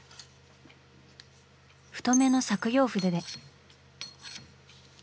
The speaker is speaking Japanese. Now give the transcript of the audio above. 太めの削用筆で。